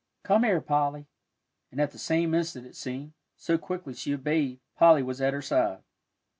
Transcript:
"Come here, Polly," and at the same instant it seemed, so quickly she obeyed, Polly was at her side.